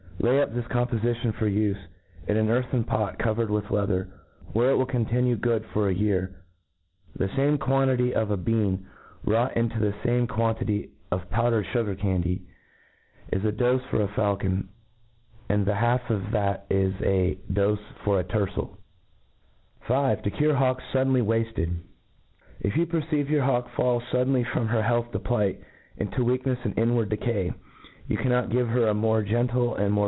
Lay up this compofition for ufe, in an earthen pot cover r cd with leather, where it will continue good for a year. The quantity of a bean wrought into the fame quantity of powdered fugar candy, is^ dofe for a faukon, and the half of tha^ is a dofe for a tfcrcel, % 5* To cure Hawks fuddenly wafte4^ If you perceive your hawk fall faddenly froni her healthy plight, into weaknefs and inward de cay, you cannot give her a more gentle and re?